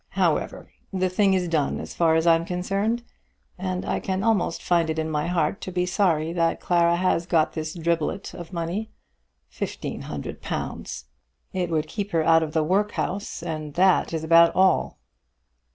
However, the thing is done as far as I am concerned, and I can almost find it in my heart to be sorry that Clara has got this driblet of money. Fifteen hundred pounds! It would keep her out of the workhouse, and that is about all."